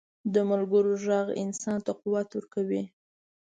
د ملګرو ږغ انسان ته قوت ورکوي.